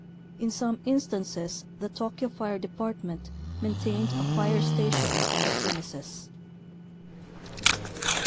In some instances the Tokyo fire department maintained a fire station on the premises.